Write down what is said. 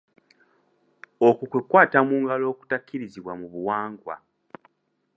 Okwo kwe kukwata mu ngalo okutakkirizibwa mu buwangwa.